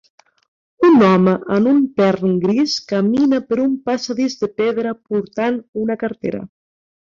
Un home en un tern gris camina per un passadís de pedra portant una cartera.